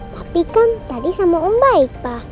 tapi kan tadi sama om baik pak